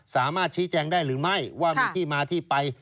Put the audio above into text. สามารถชี้แจงได้หรือไม่ว่ามีที่มาที่ไป